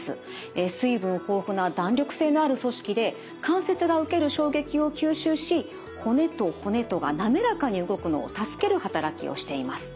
水分豊富な弾力性のある組織で関節が受ける衝撃を吸収し骨と骨とが滑らかに動くのを助ける働きをしています。